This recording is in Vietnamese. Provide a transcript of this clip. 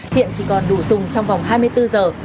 hiện chỉ còn đủ dùng trong vòng hai mươi bốn giờ